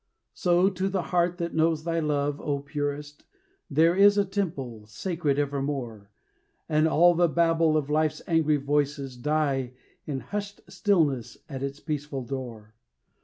So to the heart that knows thy love, O Purest, There is a temple, sacred evermore, And all the babble of life's angry voices Die in hushed stillness at its peaceful door.